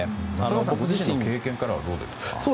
ご自身の経験からはどうですか？